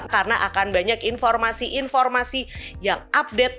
karena akan banyak informasi informasi yang update